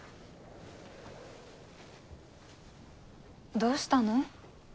どうしたの？